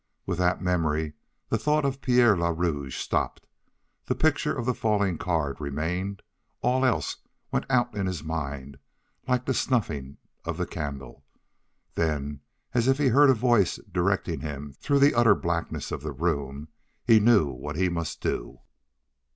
With that memory the thoughts of Pierre le Rouge stopped. The picture of the falling card remained; all else went out in his mind like the snuffing of the candle. Then, as if he heard a voice directing him through the utter blackness of the room, he knew what he must do.